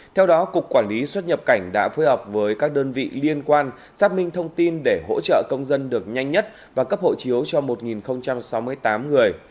theo đó cục quản lý xuất nhập cảnh đã phối hợp với các đơn vị liên quan xác minh thông tin để hỗ trợ công dân được nhanh nhất và cấp hộ chiếu cho một sáu mươi tám người